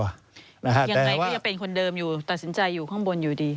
ยังไงก็ยังเป็นคนเดิมอยู่ตัดสินใจอยู่ข้างบนอยู่ดี